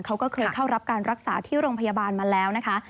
เขาก็เคยเข้ารับการรักษาที่โรงพยาบาลมาแล้วนะคะ